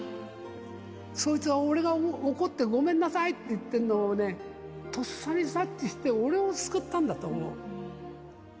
そいつは俺が怒ってごめんなさいって言ってるのをね、とっさに察知して、俺を救ったんだと思う。